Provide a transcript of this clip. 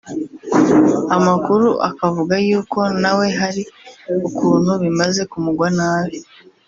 Amakuru akavuga yuko nawe hari ukuntu bimaze kumugwa nabi